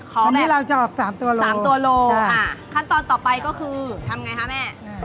ทีนี้เราจะเอา๓ตัวโลขั้นตอนต่อไปก็คือทำไงค่ะแม่